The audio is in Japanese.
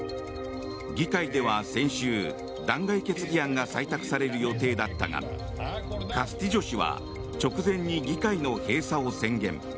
議会では先週、弾劾決議案が採択される予定だったがカスティジョ氏は直前に議会の閉鎖を宣言。